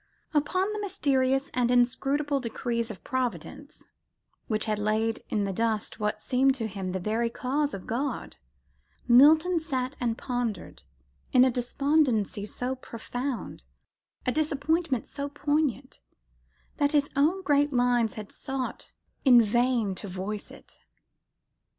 Upon the mysterious and inscrutable decrees of Providence, which had laid in the dust what seemed to him the very cause of God, Milton sat and pondered, in a despondency so profound, a disappointment so poignant, that his own great lines had sought in vain to voice it